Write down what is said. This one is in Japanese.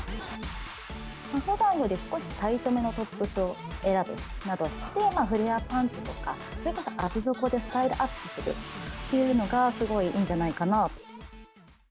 ふだんより少しタイトめのトップスを選ぶなどして、フレアパンツとか、厚底でスタイルアップするっていうのが、すごいいいんじゃないかな。